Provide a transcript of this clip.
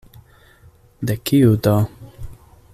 De kiu, do?